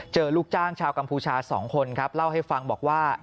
ลูกจ้างชาวกัมพูชา๒คนครับเล่าให้ฟังบอกว่า